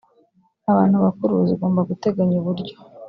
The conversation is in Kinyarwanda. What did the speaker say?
abantu bakuru zigomba guteganya uburyo